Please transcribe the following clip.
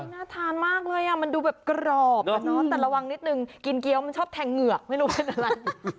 น่าทานมากเลยมันดูแบบกรอบแต่ระวังนิดนึงกินเกี้ยวมันชอบแทงเหงือกไม่รู้เป็นอะไร